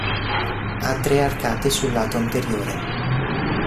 Ha tre arcate sul lato anteriore.